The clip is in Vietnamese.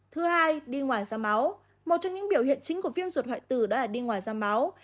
thứ hai đi ngoài ra máu một trong những biểu hiện chính của viêm ruột hoại tử đó là đi ngoài ra máu